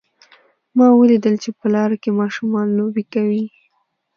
ما ولیدل چې په لاره کې ماشومان لوبې کوي